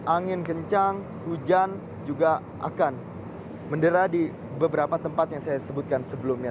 angin kencang hujan juga akan mendera di beberapa tempat yang saya sebutkan sebelumnya